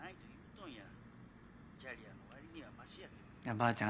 ばあちゃん